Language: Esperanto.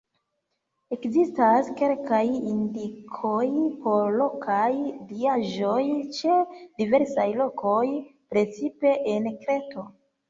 Ekzistas kelkaj indikoj por lokaj diaĵoj ĉe diversaj lokoj, precipe en Kreto.